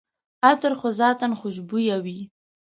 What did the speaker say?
عطر خو ذاتاً خوشبویه وي.